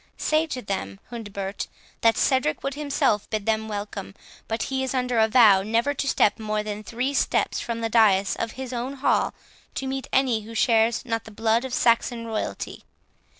Say to them, Hundebert, that Cedric would himself bid them welcome, but he is under a vow never to step more than three steps from the dais of his own hall to meet any who shares not the blood of Saxon royalty.